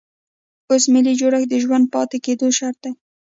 اوس ملي جوړښت د ژوندي پاتې کېدو شرط دی.